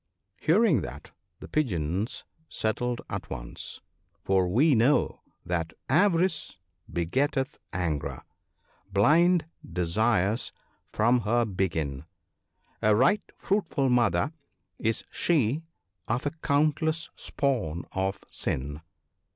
" Hearing that, the Pigeons settled at once ; for we know that "Avarice begetteth anger ; blind desires from her begin ; A right fruitful mother is she of a countless spawn of sin."